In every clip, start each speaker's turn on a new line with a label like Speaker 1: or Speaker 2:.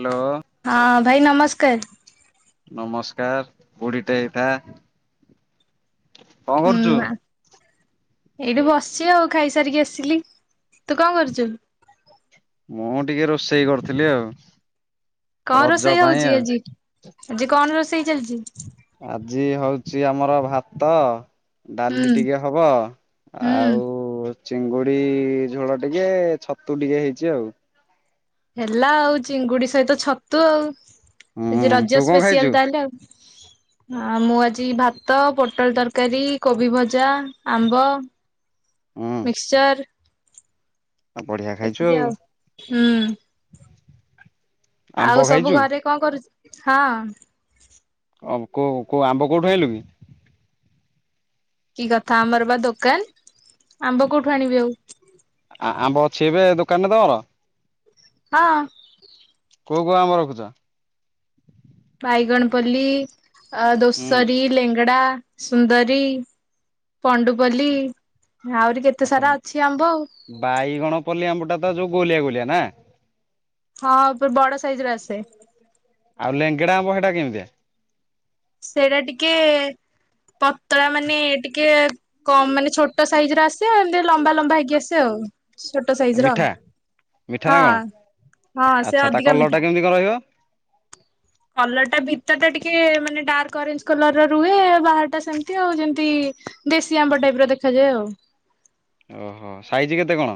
Speaker 1: Hello.
Speaker 2: ହଁ ଭାଇ ନମସ୍କାର।
Speaker 1: ନମସ୍କାର ବୁଢୀଟେ ହେଇଥା। କଣ କରୁଚୁ?
Speaker 2: ହୁଁ ଏଇଠି ବସିଛି ଆଉ ଖାଇସାରିକି ଆସିଲି ତୁ କଣ କରୁଚୁ?
Speaker 1: ମୁଁ ଟିକେ ରୋଷେଇ କରୁଥିଲି ଆଉ।
Speaker 2: କଣ
Speaker 1: ରଜ
Speaker 2: ରୋଷେଇ
Speaker 1: ପାଇଁ
Speaker 2: ହଉଚି
Speaker 1: ଆଉ।
Speaker 2: ଆଜି? ଆଜି କଣ ରୋଷେଇ? ଚାଲିଛି?
Speaker 1: ଆଜି ହଉ ଆଜି ଆମର ଭାତ
Speaker 2: ହୁଁ
Speaker 1: ଡାଲି ଟିକେ ହବ
Speaker 2: ହୁଁ
Speaker 1: ଆଉ ଚିଙ୍ଗୁଡି ଝୋଳ ଟିକେ ଛତୁ ଟିକେ ହେଇଚି ଆଉ।
Speaker 2: ହେଲା ଆଉ ଚିଙ୍ଗୁଡି ସହିତ ଛତୁ ଆଉ।
Speaker 1: ହୁଁ
Speaker 2: ଆଜି
Speaker 1: ତୁ
Speaker 2: ରଜ
Speaker 1: କଣ ଖାଇଛୁ?
Speaker 2: ସ୍ପେଶିଆଲ ତାହେଲେ ଆଉ। ଆ ମୁଁ ଆଜି ଭାତ ପୋଟଳ ତରକାରୀ କୋବି ଭଜା ଆମ୍ବ।
Speaker 1: ହୁଁ
Speaker 2: ମିକ୍ସଚର୍।
Speaker 1: ଆଉ ବଢିଆ ଖାଇଛୁ
Speaker 2: ଏତିକି ଆଉ ହୁଁ।
Speaker 1: ଆମ୍ବ
Speaker 2: ଆଉ ସବୁ
Speaker 1: ଖାଇଛୁ?
Speaker 2: ଘରେ କଣ କରୁ ହଁ।
Speaker 1: ଆମ୍ କଉ କଉ ଆମ୍ବ କେଉଠୁ ଆଇଁଲୁକି?
Speaker 2: କି କଥା ଆମର ବା ଦୋକାନ। ଆମ୍ବ କୋଉଠୁ ଆଣିବି ଆଉ।
Speaker 1: ଛି ଏବେ ଦୋକାନରେ ତମର।
Speaker 2: ହଁ।
Speaker 1: କୋଉ କୋଉ ଅମ୍ବ ରଖୁଚ?
Speaker 2: ବାଇଗଣ ପଲି। ଅ
Speaker 1: ହୁଁ
Speaker 2: ଦୋସରି ଲେଙ୍ଗଡ଼ା ସୁନ୍ଦରୀ। ପଣ୍ଡୁପଲ୍ଲୀ ଆହୁରି
Speaker 1: [inaudible]
Speaker 2: କେତେ
Speaker 1: ଆଛା
Speaker 2: ସାରା ଅଛି ଆମ୍ବ
Speaker 1: ବାଇଗଣ ପଲି ଆମ୍ବଟା ତ ଯୋଉ ଗୋଲିଆ ଗୋଲିଆ ନା।
Speaker 2: ଆଉ ହଁ ବଡ ସାଇଜ ର ଆସେ
Speaker 1: [inaudible] ଆଉ ଲେଙ୍ଗଡା ଆମ୍ବ ହେଟା କେମିତିଆ?
Speaker 2: ସେଇଟା ଟିକେ ପତଳା ମାନେ ଟିକେ କମ ମାନେ ଛୋଟ ସାଇଜ ର ଆସେ ଏମତି ଲମ୍ବା ଲମ୍ବା ହେଇକି ଆସେ ଆଉ। ଛୋଟ ସାଇଜ ର
Speaker 1: ମିଠା ମିଠା ନା
Speaker 2: ହଁ
Speaker 1: କଣ?
Speaker 2: ହଁ ସେ
Speaker 1: ଆଚ୍ଛା ତା
Speaker 2: ଅଧିକା
Speaker 1: କଲର ଟା
Speaker 2: ମିଠା।
Speaker 1: କେମିତି କଣ ରହିବ?
Speaker 2: କଲର ଟା ଭିତର ଟା ଟିକେ ମାନେ ଡାର୍କ ଅରେଞ୍ଜ କଲର ର ରୁହେ ବାହାର ଟା ସେମତି ଆଉ ଯେମତି ଦେଶୀ ଆମ୍ବ ଟାଇପ ର ଦେଖାଯାଏ ଆଉ।
Speaker 1: ଓହୋ ସାଇଜ କେତେ କଣ?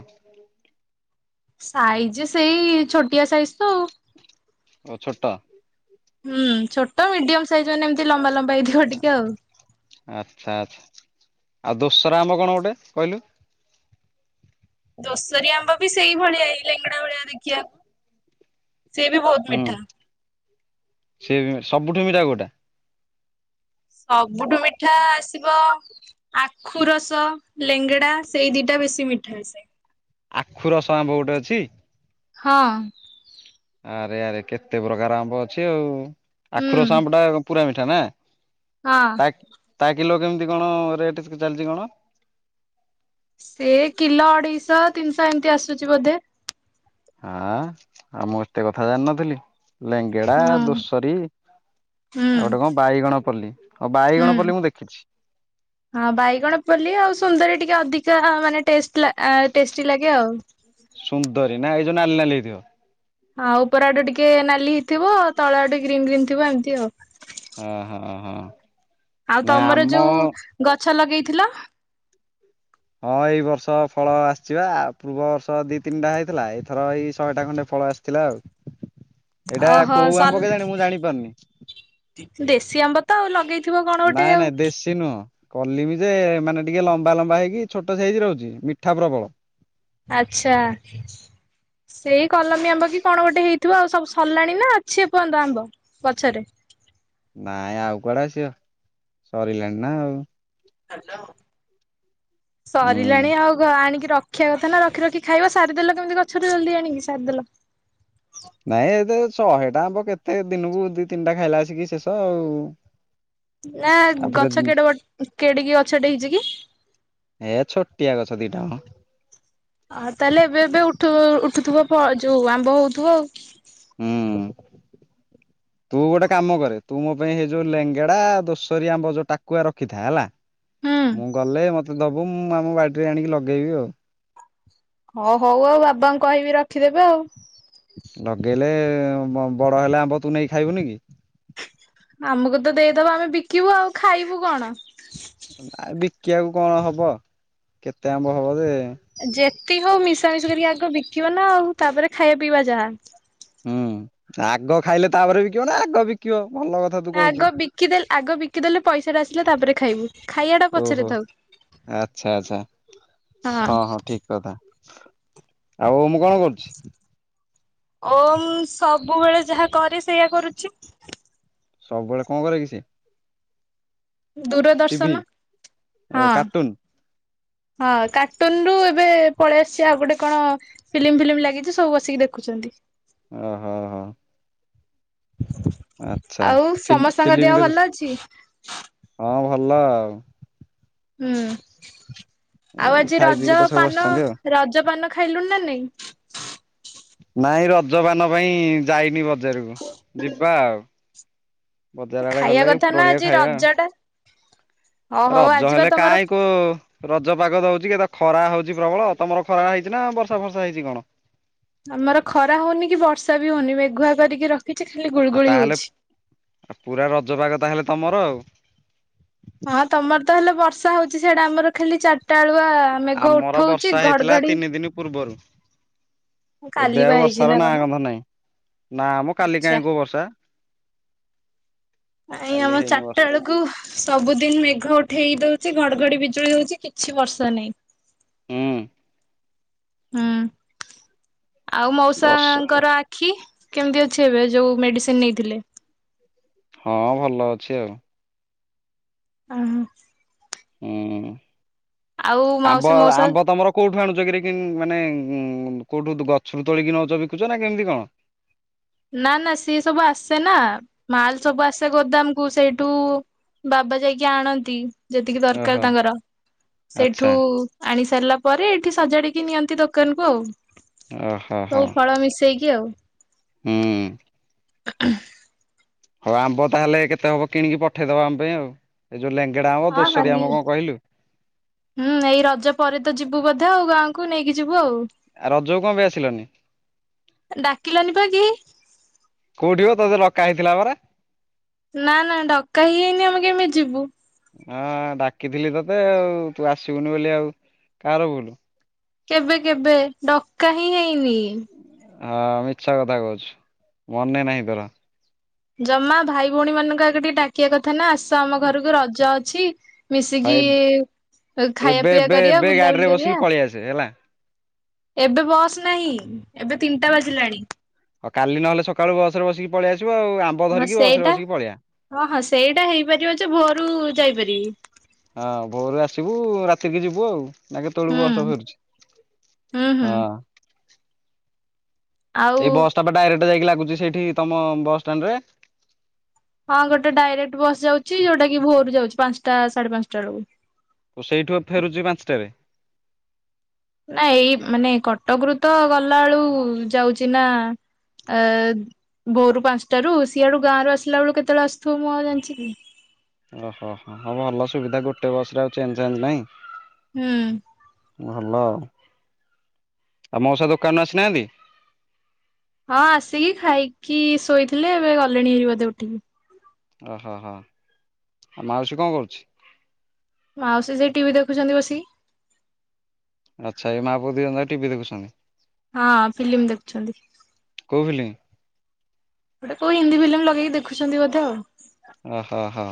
Speaker 2: ସାଇଜ ସେଇ ଛୋଟିଆ ସାଇଜ ତ ଆଉ।
Speaker 1: ଓ ଛୋଟ
Speaker 2: ହୁଁ ଛୋଟ ମିଡିୟମ ସାଇଜ୍ ମାନ ଏମିତି ଲମ୍ବା ଲମ୍ବା ହେଇଥିବ ଟିକେ ଆଉ।
Speaker 1: ଆଚ୍ଛା ଆଛା। ଆଉ ଦୋସରା ଆମ କଣ ଗୋଟେ କହିଲୁ।
Speaker 2: ଦୋଷରି ଆମ୍ବ ବି ସେଇଭଳିଆ ଏଇ ଲେଙ୍ଗଡା ଭଳିଆ ଦେଖିବାକୁ। ସେ ବି ବହୁତ
Speaker 1: ହୁଁ
Speaker 2: ମିଠା।
Speaker 1: ସେ ସବୁଠୁ ମିଠା ଗୋଟେ [inaudible]
Speaker 2: ସବୁଠୁ ମିଠା ଆସିବ ଆଖୁ ରସ, ଲେଙ୍ଗଡା ସେଇ ଦିଟା ବେଶୀ ମିଠା ଆସେ।
Speaker 1: ଆଖୁ ରସ ଆମ୍ୱ ଗୋଟେ ଅଛି।
Speaker 2: ହଁ।
Speaker 1: ଆରେ ଆରେ କେତେ ପ୍ରକାର ଆମ୍ୱ ଅଛି ଆଉ।
Speaker 2: ହୁଁ
Speaker 1: ଆଖୁର ଆମ୍ୱ ଟା ପୁରା ମିଠା ନା
Speaker 2: ହଁ
Speaker 1: ତା ତା କିଲୋ କେମିତି କଣ ରେଟ ଚାଲିଛି କଣ?
Speaker 2: ସେ କିଲୋ ଅଢେଇଶ ତିନିଶହ ଏମିତି ଆସୁଛି ବୋଧେ।
Speaker 1: ହଁ ଆଉ ମୁଁ ଏତେ କଥା ଜାଣିିନଥିଲି। ଲେଙ୍ଗେଡ଼ା
Speaker 2: ହୁଁ
Speaker 1: ଦୋସରୀ
Speaker 2: ହୁଁ
Speaker 1: ଆଉ ଗୋଟେ କଣ ବାଇଗଣ ପଲ୍ଲୀ ହଉ ବାଇଗଣ
Speaker 2: ହୁଁ।
Speaker 1: ପଲ୍ଲି ମୁଁ ଦେଖିଛି।
Speaker 2: ହଁ ବାଇଗଣ ପଲ୍ଲି ଆଉ ସୁନ୍ଦରୀ ଟିକେ ଅଧିକା ମାନେ ଟେଷ୍ଟ ଟେଷ୍ଟି ଲାଗେ ଆଉ।
Speaker 1: ସୁନ୍ଦରୀ ନା ଏଇ ଯୋଉ ନାଲି ନାଲି ହେଇଥିବ।
Speaker 2: ହଁ ଉପର ଆଡୁ ଟିକେ ନାଲି ଖାଲି ହେଇଥିବ ତଳ ଗଟେ ଗ୍ରୀନ୍ ଗ୍ରୀନ୍ ଥିବ ଏମିତି ଆଉ
Speaker 1: ହଁ ହଁ ହଁ।
Speaker 2: ଆଉ
Speaker 1: ନାଇଁ
Speaker 2: ତମର
Speaker 1: ଆମ
Speaker 2: ଯୋଉ ଗଛ ଗଛ ଲଗେଇଥିଲ।
Speaker 1: ହଁ ଏଇ ବର୍ଷ ଫଳ ଆସିଯିବା ପୂର୍ବ ବର୍ଷ ଦି ତିନିଟା ହେଇଥିଲା ଏଇଥର ଏଇ ଶହେଟା ଖଣ୍ଡେ ଫଳ ଆସିଥିଲା ଆଉ। ଏଇଟା
Speaker 2: ଓହୋ
Speaker 1: କୋଉ
Speaker 2: ସଲ
Speaker 1: ଆମ୍ୱ କେଜାଣି ମୁଁ ଜାଣି ପାରୁନି।
Speaker 2: ଦେସି ଆମ୍ୱ ତ ଆଉ ଲଗେଇଛି ଥିବ କଣ ଗୋଟେ ଆଉ
Speaker 1: ଦେଶୀ ନୁହଁ କଲିମି ଯେ ମାନେ ଟିକେ ଲମ୍ବା ଲମ୍ବା ହେଇକି ଛୋଟ ସାଇଜ ରହୁଛି ମିଠା ପ୍ରବଳ।
Speaker 2: ଆଚ୍ଛା ସେଇ କଲମୀ ଆମ୍ବ କି କଣ ଗୋଟେ ହେଇଥିବ? ଆଉ ସବୁ ସରିଲାଣି ନା ଅଛି ଏ ପର୍ଯ୍ୟନ୍ତ ଆମ୍ବ ପଛରେ
Speaker 1: ନାଇଁ ଆଉ କୁଆଡେ ଆସିବ ସରିଲାଣି ନା ଆଉ।
Speaker 2: ହ୍ୟାଲୋ।
Speaker 1: ହୁଁ।
Speaker 2: ସରିଲାଣି ଆଉ ଆଣିକି ର ରଖିଆ କଥା ନା ରଖି ରଖି ଖାଇବା ସାରିଦେଲ କେମିତି ଗଛରୁ ଜଲଦି ଆଣିକି ସାରିଦେଲ।
Speaker 1: ନାଇଁ ଏତ ଶହେ ଟା ଆମ୍ୱ କେତେ ଦିନକୁ ଦି ତିନିଟା ଖାଇଲା ଆସିକି ଶେଷ ଆଉ।
Speaker 2: ନା
Speaker 1: ତାପରେ
Speaker 2: ଗଛ କେଡ ବ କେଡିକି ଗଛଟ ହେଇଛି କି?
Speaker 1: ଏ ଛୋଟିଆ ଗଛ ଦିଟା ମ
Speaker 2: ଅ ତାହେଲେ ଏବେ ଏବେ ଉଠୁ ଉଠୁଥୁବ ଯୋଉ ପ ଆମ୍ବ ହଉଥିବ ଆଉ
Speaker 1: ହୁଁ ତୁ ଗୋଟେ କାମ କରେ ତୁ ମୋ ପାଇଁ ହେଇ ଯୋଉ ଲେଙ୍ଗେଡା ଦୋଷରି ଆମ୍ବ ଯୋଉ ଟାକୁଆ ରଖିଥା ହେଲା
Speaker 2: ହୁଁ।
Speaker 1: ମୁଁ ଗଲେ ମ ଦବୁ ମୁଁ ଆମ ବାଡିରେ ଆଣିକି ଲଗେଇବି ଆଉ
Speaker 2: ହଁ ହଉ ଆଉ ବାବାଙ୍କୁ କହିବି ରଖିଦେବେ ଆଉ
Speaker 1: ଲଗେଇଲେ ବ ବଡ ହେଲେ ଆମ୍ବ ତୁ ନେଇ ଖାଇବୁନି କି?
Speaker 2: ଆମକୁ ତ ଦେଇଦବ ଆମେ ବିକିବୁ ଆଉ। ଖାଇବୁ କଣ?
Speaker 1: ଆ ବି କିବାକୁ କଣ ହବ କେତେ ଆମ୍ବ ହବ ଯେ
Speaker 2: ଯେ ତି ହଉ ମିଶା ମିଶା କରିକି ଆଗ ବିକିବା ନା ଆଉ ତାପରେ ଖାଇବା ପିଇବା ଯାହା
Speaker 1: ହୁଁ ଆଗ ଖାଇଲେ ତାପରେ ବିକିିବ ନା ଆଗ ବିକିବ ଭଲ କଥା ତୁ କହୁଛୁ।
Speaker 2: ଆଗ ବିକିଦଲେ ଆଗ ବିକିଦେଲେ ପଇସା ଟା ଆସିଲା ତାପରେ ଖାଇବୁ ଖାଇବାଟା ପଛରେ
Speaker 1: ଓହୋ
Speaker 2: ଥାଉ
Speaker 1: ଆଚ୍ଛା ଆଚ୍ଛା ହଁ ହଁ ଠିକ କଥା ଆଉ ମୁଁ କଣ କରୁଛି?
Speaker 2: ଓମ୍ ସବୁବେଳେ ଯାହା କରେ ସେଇଆ କରୁଚି।
Speaker 1: ସବୁବେଳେ କଣ କରେ କି ସେ? ଟିଭି
Speaker 2: ଦୂରଦର୍ଶନ ହଁ।
Speaker 1: କାର୍ଟୁନ
Speaker 2: ହଁ କାର୍ଟୁନ ରୁ ଏବେ ପଳେଇ ଆସି ଆଉ ଗୋଟେ କଣ ଫିଲ୍ମ ଫିଲ୍ମ ଲାଗିଛି ସବୁ ବସିକି ଦେଖୁଚନ୍ତି।
Speaker 1: ଓ ହୋ ହୋ। ଆଚ୍ଛା।
Speaker 2: ଆଉ ସମସ୍ତଙ୍କ
Speaker 1: ଫିଲ୍ମ
Speaker 2: ଦେହ
Speaker 1: ଦେଖୁଛି
Speaker 2: ଭଲ ଅଛି।
Speaker 1: ହଁ ଭଲ ଆଉ।
Speaker 2: ହୁଁ। ଆଉ
Speaker 1: ଏଇ
Speaker 2: ଆଜି
Speaker 1: ଖାଇ ପିଇକି
Speaker 2: ରଜ
Speaker 1: ତ ସବୁ
Speaker 2: ପାନ
Speaker 1: ବସିଛନ୍ତି ଆଉ।
Speaker 2: ରଜ ପାନ ଖାଇଲୁଣି ନା ନାଇଁ?
Speaker 1: ନାଇଁ ରଜପାନ ପାଇଁ ଯାଇନି ବଜାରକୁ ଯିବା ଆଉ ବଜାର ଆଡେ
Speaker 2: ଖାଇବା
Speaker 1: ଗଲେ
Speaker 2: କଥା ନା
Speaker 1: ଉପରଓଳିଆକୁ
Speaker 2: ଆଜି
Speaker 1: ଖାଇବା ଆଉ।
Speaker 2: ରଜ ଟା। ହଁ ହଉ
Speaker 1: ରଜ
Speaker 2: ଆଜି ବା
Speaker 1: ହେଲେ
Speaker 2: ତମର
Speaker 1: କାହିଁ କୋ ରଜ ପାଗ ଦଉଚି କି ତ ଖରା ହଉଚି ପ୍ରବଳ ତମର ଖରା ହେଇଛି ନା ବର୍ଷା ଫର୍ଷା ହେଇଛି କଣ?
Speaker 2: ଆମର ଖରା ହଉନି କି ବର୍ଷା ବି ହଉନି ମେଘୁଆ କରିକି ର
Speaker 1: ଆଉ ତାହେଲେ ପୁରା ରଜପାଗ ତାହେଲେ। ତମର ଆଉ।
Speaker 2: ହଁ ତମର ତ ହେଲେ ବର୍ଷ ର୍ଷା ହେଉଛି ସେଇଟା ଆମର ଖାଲି ଚା
Speaker 1: ଆମର ବର୍ଷା ହେଇଥିଲା
Speaker 2: ଘଡଘଡି
Speaker 1: ତିନି ଦିନ ପୂର୍ବରୁ।
Speaker 2: କାଲି
Speaker 1: ଏବେ
Speaker 2: ବା
Speaker 1: ଆଉ
Speaker 2: ହେଇଛି
Speaker 1: ବର୍ଷାର ନା
Speaker 2: କଣ
Speaker 1: ଗନ୍ଧ ନାହିଁ। ନା ମୁଁ କାଲି
Speaker 2: ଆଚ୍ଛା।
Speaker 1: କାହିଁ କୋଉ ବର୍ଷା?
Speaker 2: ଆାଇ
Speaker 1: କାଲି
Speaker 2: ଆମ
Speaker 1: ହେଇନି
Speaker 2: ଚାରିଟା
Speaker 1: ବର୍ଷା
Speaker 2: ବେଳକୁ ସବୁଦିନ ମେଘ ଉଠେଇ ଦଉଛି ଘଡଘଡି ବି ହଉଛି କିଛି ବର୍ଷ ନାଇଁ।
Speaker 1: ହୁଁ।
Speaker 2: ହୁଁ। ଆଉ
Speaker 1: ବର୍ଷା
Speaker 2: ମଉସାଙ୍କର ଆଖି କେମତି ଅଛି ଏବେ ଯୋଉ ମେଡିସି ସେ ନେଇଥିଲେ।
Speaker 1: ହଁ ଭଲ ଅଛି ଆଉ।
Speaker 2: ଓହୋ।
Speaker 1: ହୁଁ।
Speaker 2: ଆଉ
Speaker 1: ଆମ୍ବ
Speaker 2: ମାଉସୀ ମଉସା
Speaker 1: ଆମ୍ବ ତମର କୋଉଠୁ ଆଣୁଛ କିରେ କି ମାନେ ଉ କୋଉଠୁ ଗଛରୁ ତୋଳିକି ନଉଛ ବିକୁଛ ନା କେମିତି କଣ?
Speaker 2: ନା ନା ସିଏ ସବୁ ଆସେ ନା ମାଲ ସବୁ ଆସେ ଗୋଦାମ କୁ ସେଇଠୁ ବାବା ଯାଇକି ଆଣନ୍ତି। ଯେତିକି ଦରକାର
Speaker 1: ଓହୋ
Speaker 2: ତାଙ୍କର ସେଇଠୁ
Speaker 1: ଆଚ୍ଛା
Speaker 2: ଆଣି ସରିଲା ପରେ ଏଇଠି ସଜାଡ଼ିକି ନିଅନ୍ତି ଦୋକାନକୁ ଆଉ।
Speaker 1: ଓହୋ ହୋ
Speaker 2: ସବୁ ଫଳ ମିଶେଇକି ଆଉ।
Speaker 1: ହୁଁ।
Speaker 2: [inaudible]
Speaker 1: ହଉ ଆମ୍ବ ତାହେଲେ କେତେ ହବ କିଣିକି ପଠେଇଦବା ଆମ ପାଇଁ ଆଉ। ଯୋଉ ଲେଙ୍ଗେଡା ଆମ୍ବ
Speaker 2: ହଁ
Speaker 1: ଦୋଷରି ଆମ୍ବ
Speaker 2: ମାନିଅଛି
Speaker 1: କଣ କହିଲୁ
Speaker 2: ହୁଁ ଏଇ ରଜ ପରେ ତ ଯିବୁ ବୋଧେ ଆଉ ଗାଁ ନେଇକି ଯ
Speaker 1: ରଜକୁ କଣ ବି ଆସିଲନି
Speaker 2: ଡାକିଲନି ପା କେହି।
Speaker 1: କୋଉଠିିବ ତୋତେ ଡକା ହେଇଥିଲା ପରା।
Speaker 2: ନା ନା ଡକା ହେଇ ହେଇନି ଆମେ କେମିତି ଯିବୁ?
Speaker 1: ହଁ ଡାକିଥିଲି ତତେ ଆଉ ତୁ ଆସିବୁନି ବୋଲି ଆଉ କାହାର ଭୁଲୁ।
Speaker 2: କେବେ କେବେ ଡକା ହିଁ ହେଇନି।
Speaker 1: ହଁ ମିଛା କଥା କହୁଛୁ ମନେ ନାହିଁ ତୋର।
Speaker 2: ଜମା ଭାଇ ଭଉଣୀ ମାନଙ୍କ ଆଗ ଟିକେ ଡାକି କଥା କଥା ନା ଆସ ଆମ ଘରକୁ ରଜ ଅ ଅଛି
Speaker 1: ହଁ
Speaker 2: ମିଶିକି
Speaker 1: ଏବେ
Speaker 2: ଖାଇବା
Speaker 1: ଏବେ
Speaker 2: ପିଇବା
Speaker 1: ଏବେ
Speaker 2: କରିବା
Speaker 1: ଏବେ ଗାଡିରେ
Speaker 2: ବୁଲାବୁଲି
Speaker 1: ବସିକି
Speaker 2: କରିବା
Speaker 1: ପଳେଇ ଆସେ ହେଲା
Speaker 2: ଏବେ ବସ ନାହିଁ। ଏବେ ତିନିଟା ବାଜିଲାଣି।
Speaker 1: ଆଉ କାଲି ନହଲେ ସକାଳୁ ବସରେ ବସିକି ପଳେଇଆସ
Speaker 2: ହଁ ସେଇଟା ହଁ ହଁ ସେଇଟା ହେଇପାରିବ ଯେ ଭୋରୁ ଯାଇପାରିବି।
Speaker 1: ସେତିକି ଯିବୁ ଆଉ। ନା କେତେଳୁକୁ
Speaker 2: ହୁଁ
Speaker 1: ବସ୍ ଟା ଫେରୁଛି।
Speaker 2: ହୁଁ ହୁଁ।
Speaker 1: ହଁ।
Speaker 2: ଆଉ
Speaker 1: ଏଇ ବସ୍ ଟା ପା ଡାଇରେକ୍ଟ ଗୋଟେ ଯାଇକି ଲାଗୁଛି ସେଇଠି ତମ ବସଷ୍ଟାଣ୍ଡ୍ ରେ
Speaker 2: ହଁ ଗୋଟେ ଡାଇରେକ୍ଟ ବସ୍ ଯାଉଛି ଯୋଉଟା କି ଭୋରରୁ ଯାଉଛି ପାଞ୍ଚଟା ସାଢେ ପାଞ୍ଚଟା ବେଳକୁ
Speaker 1: ସେଇଠୁ ଫେରୁଛି ପାଞ୍ଚଟାରେ।
Speaker 2: ନା ଏଇ ମାନେ କଟକରୁ ତ ଗଲା ବେଳୁ ଯାଉଛି ନା ଆଁ ଭୋରୁ ପାଞ୍ଚଟାରୁ ସିଆଡୁ ଗାଁ ରୁ ଆସିଲା ବେଳୁ କେତେବେଳେ ଆସୁଥିବ ମୁଁ ଆ ଜାଣିଛି କି?
Speaker 1: ଓହୋ ହୋଉ ଭଲ ସୁବିଧା ଗୋଟେ ବସ ରେ ଆଉ ଚେଞ୍ଜ୍ ଫେଞ୍ଜ୍ ନାହିଁ।
Speaker 2: ହୁଁ।
Speaker 1: ଭଲ ଆଉ। ଆଉ ମଉସା ଦୋକାନରୁ ଆସିନାହାନ୍ତି।
Speaker 2: ହଁ ଆସିକି ଖାଇକି ଶୋଇଥିଲେ ଏବେ ଗଲେଣି ବୋଧେ ଉଠିକି।
Speaker 1: ଓହୋ ହୋ ଆ ମାଉସୀ କଣ କରୁଛି?
Speaker 2: ମାଉସୀ ଯାଇ ଟିଭି ଦେଖୁଛନ୍ତି ବସିକି।
Speaker 1: ଆଚ୍ଛା ଏଇ ମା ପୁଅ ଦୁଇ ଜଣଜାକ ଟିଭି ଦେଖୁଛନ୍ତି।
Speaker 2: ହଁ ଫିଲ୍ମ ଦେଖୁଛନ୍ତି।
Speaker 1: କୋଉ ଫିଲ୍ମ
Speaker 2: ଗୋଟେ କୋଉ ହିନ୍ଦୀ ଫିଲ୍ମ ଲଗେଇକି ଦେଖୁଛନ୍ତି ବୋଧେ ଆଉ।
Speaker 1: ଓହୋ ହୋ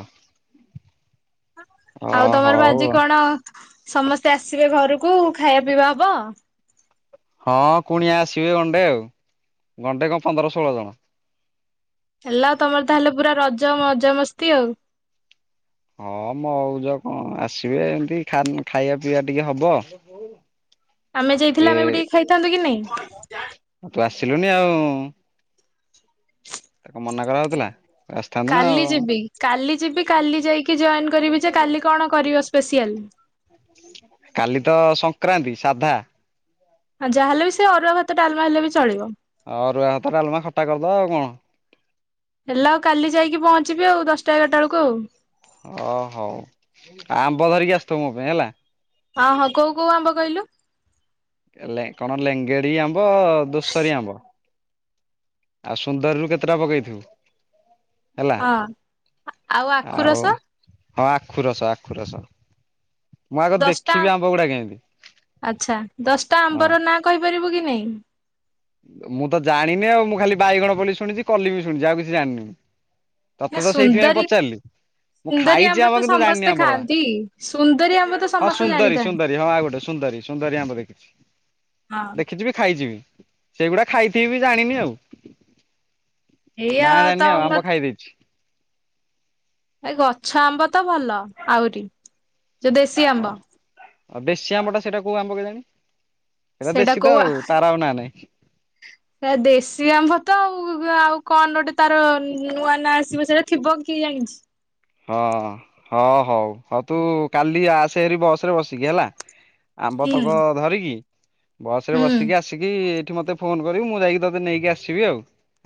Speaker 1: ଓ
Speaker 2: ଆଉ
Speaker 1: ହଉ
Speaker 2: ତମର ବା
Speaker 1: ଆଉ।
Speaker 2: ଆଜି କଣ ସମସ୍ତେ ଆସିବେ ଘରକୁ ଖାଇବା ପିଇବା ହବ।
Speaker 1: ହଁ କୁଣିଆ ଆସିବେ ଗଣ୍ଡେ ଆଉ ଗଣ୍ଡେ କଣ ପନ୍ଦର ଷୋହଳ ଜଣ
Speaker 2: ହେଲା ଆଉ ତମର ତାହେଲେ ପୁରା ରଜ ମୈଜ ମସ୍ତି ଆଉ।
Speaker 1: ହଁ ମଉଜ କଣ ଆସିବେ ଏମତି ଖାନ୍ ଖାଇବା ପିଇବା ଟିକେ ହବ।
Speaker 2: ଆମେ
Speaker 1: ସେ
Speaker 2: ଯାଇଥିଲେ ଆମେ ବି ଟିକେ ଖାଇଥାନ୍ତୁ କି ନାଇଁ?
Speaker 1: ଆସିଲୁଣି ଆଉ। ତାକୁ ମନା କରାହଉଥିଲା ଆସିଥାନ୍ତୁ ନା
Speaker 2: କାଲି
Speaker 1: ଆଉ
Speaker 2: ଯିବି କାଲି ଯିବି କାଲି ଯାଇକି ଜଏନ କରିବି ଯେ କାଲି କଣ କରିବ ସ୍ପେସିଆଲ୍
Speaker 1: କାଲି ତ ସଂକ୍ରାନ୍ତି ସାଧା
Speaker 2: ଆ ଯାହା ହେଲେ ବି ସେ ଅରୁଆ ଭାତ ଡାଲମା ହେଲେ ବି ଚଳିବ
Speaker 1: ଅରୁଆ ହାତ ଡାଲମା ଖଟା କରିଦବା ଆଉ କଣ?
Speaker 2: ହେଲା ଆଉ କାଲି ଯାଇକି ପହଞ୍ଚିବି ଆଉ ଦଶଟା ଏଗାରଟା ବେଳକୁ ଆଉ।
Speaker 1: ଓ ହଉ ଆଉ ଆମ୍ବ ଧରିକି ଆସଥଵୁ ମୋ ପାଇଁ ହେଲା।
Speaker 2: ହଁ ହଁ କୋଉ କୋଉ ଆମ୍ବ କହିଲୁ।
Speaker 1: କଣ ଲେଙ୍ଗେଡି ଆମ୍ବ ଦୋଷରିୀ ଆମ୍ବ ଆଉ ସୁନ୍ଦରୀରୁୁ କେତେଟା ପକେଇଥିବୁ। ହେଲା
Speaker 2: ହଁ ଆଉ ଆଖୁ ରସ
Speaker 1: ହଁ ଆଖୁ ରସ ଆଖୁ ରସ ମୁଁ
Speaker 2: ଆଉ
Speaker 1: ଆଗ
Speaker 2: ଦଶଟା
Speaker 1: ଦେଖିବି ଆମ୍ବ ଗୁଡା କେମିତି
Speaker 2: ତା
Speaker 1: ହଁ
Speaker 2: ଆମ୍ବର ନାଁ କହିପ କରିବୁ କି ନାଇଁ
Speaker 1: ମୁଁ ତ ଜାଣିନି ଆଉ ମୁଁ ଖାଲି ବାଇଗଣ ବୋଲି ଶୁଣିଛି କଲି ବି ଶୁଣିଛି ଆଉ କିଛି ଜାଣିନି।
Speaker 2: ନା
Speaker 1: ତତେ ତ ସେଇଥିପାଇଁ
Speaker 2: ସୁନ୍ଦରୀ
Speaker 1: ପଚାରିଲି ମୁଁ
Speaker 2: ସୁନ୍ଦରୀ
Speaker 1: ଖାଇଛି ଆମ୍ବ
Speaker 2: ତ
Speaker 1: କିନ୍ତୁ ଜାଣିନି
Speaker 2: ସମସ୍ତେ
Speaker 1: ଆମ୍ବର ନାଁ
Speaker 2: ଖାଆନ୍ତି ସୁନ୍ଦରୀ ଆମ୍ବ ତ
Speaker 1: ହଁ
Speaker 2: ସମସ୍ତେ
Speaker 1: ସୁନ୍ଦରୀ
Speaker 2: ଜାଣିଥାନ୍ତି।
Speaker 1: ସୁନ୍ଦରୀ ହଁ ଆ ଗୋଟେ ସୁନ୍ଦରୀ ସୁନ୍ଦରୀ ଆମ୍ବ ଦେଖିଛି
Speaker 2: ହଁ
Speaker 1: ଦେଖିଛିିବି ଖାଇଛିିବି। ସେଇଗୁଡା ଖାଇଥିବି ଜାଣିନି ଆଉ
Speaker 2: ଏଇଆ
Speaker 1: ନା
Speaker 2: ତ
Speaker 1: ଜାଣିନି ଆଉ
Speaker 2: ଆମ
Speaker 1: ଆମ୍ବ ଖାଇ ଦେଇଛି।
Speaker 2: ଏ ଗଛ ଆମ୍ବ ତ ଭଲ ଆହୁରି ଯୋଉ ଦେସି
Speaker 1: ହଁ
Speaker 2: ଆମ୍ୱ
Speaker 1: ଆଉ ବେଶୀ ଆମ୍ବଟା ସେଇଟା କୋଉ ଆମ୍ବ କେଜାଣି।
Speaker 2: ସେଇଟା
Speaker 1: ଦେଶୀ ତ
Speaker 2: କଉ ଆ
Speaker 1: ଆଉ
Speaker 2: [inaudible]
Speaker 1: ତାର ଆଉ ନାଁ ନାହିଁ
Speaker 2: ସେଟା ଦେଶୀ ଆମ୍ବ ତ ଆଉ ଆଉ କଣ ଗୋଟେ ତାର ନୂଆ ନା ଆସିବ ସେଇଟା ଥିବ। କିଏ ଜଣିଛି?
Speaker 1: ହଁ ହଁ ହଉ ହଉ ତୁ କାଲି ଆସେ ହାରି ବସ ରେ ବସିକି ହେଲା। ଆମ୍ବ
Speaker 2: ହୁଁ
Speaker 1: ତକ ଧରିକି ବସ ରେ
Speaker 2: ହୁଁ
Speaker 1: ବସିକି ଆସିକି ଏଠି ମତେ ଫୋନ କରିବି ମୁଁ ଯାଇକି ତୋତେ ନେଇକି ଆସିବି ଆଉ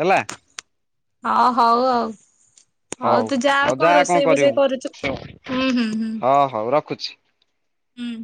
Speaker 1: ହେଲା।
Speaker 2: ହଁ ହଉ ଆଉ ହଉ ତୁ ଯା କଣ ରୋ ସେଇ ବୁ ସେଇ କରୁଛୁୁଁ ହୁଁ ହୁଁ।
Speaker 1: ହଁ ହଉ ରଖୁଛି।
Speaker 2: ହୁଁ।